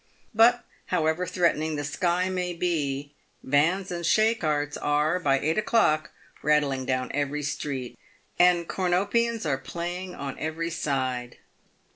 But, however threatening the sky may be, vans and shay carts are, by eight o'clock, rattling down every street, and cornopeans are playing on every side.